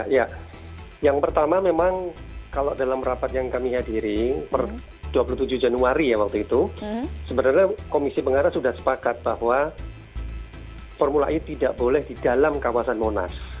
ya yang pertama memang kalau dalam rapat yang kami hadiri per dua puluh tujuh januari ya waktu itu sebenarnya komisi pengarah sudah sepakat bahwa formula e tidak boleh di dalam kawasan monas